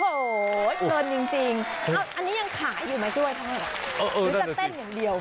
โอ้โหเกินจริงอันนี้ยังขายอยู่มั้ยด้วยหรือจะเต้นอย่างเดียว